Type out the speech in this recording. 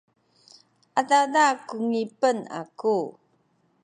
adada ku ngipen aku